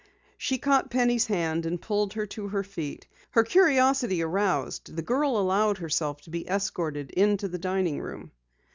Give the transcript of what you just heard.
She caught Penny's hand and pulled her to her feet. Her curiosity aroused, the girl allowed herself to be escorted to the dining room.